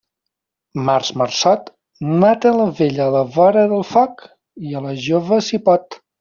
Març, marçot, mata la vella a la vora del foc i a la jove si pot.